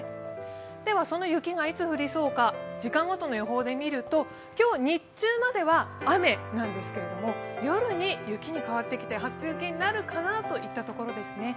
ではその雪がいつ降りそうか時間ごとで見ると今日、日中までは雨なんですけれども、夜に雪に変わってきて、初雪になるかなといったところですね。